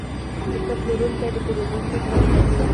ښه پلورونکی د پیرودونکي زړه وګټي.